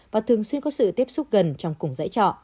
và thường xuyên có sự tiếp xúc gần trong cùng dãy trọ